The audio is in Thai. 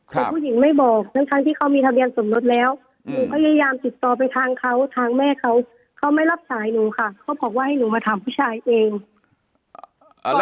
แต่ผู้หญิงไม่บอกทั้งที่เขามีทะเบียนสมรสแล้วหนูพยายามติดต่อไปทางเขาทางแม่เขาเขาไม่รับสายหนูค่ะเขาบอกว่าให้หนูมาถามผู้ชายเอง